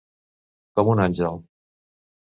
Com un àngel.